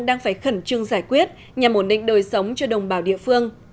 đang phải khẩn trương giải quyết nhằm ổn định đời sống cho đồng bào địa phương